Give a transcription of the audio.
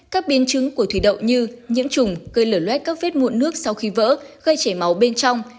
các biên chứng của thủy đội như nhiễm trùng gây lở loét các vết mụn nước sau khi vỡ gây chảy máu bên trong